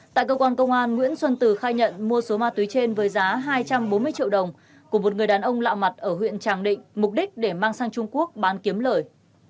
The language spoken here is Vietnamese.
tại cơ quan công an nguyễn xuân từ khai nhận mua số ma túy trên với giá hai trăm bốn mươi triệu đồng của một người đàn ông lạ mặt ở huyện tràng định mục đích để mang sang trung quốc bán kiếm lời